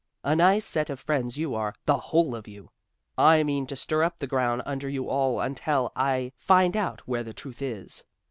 A nice set of friends you are the whole of you. I mean to stir up the ground under you all until I find out where the truth is.